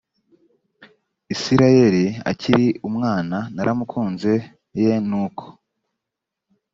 isirayeli akiri umwana naramukunze y nuko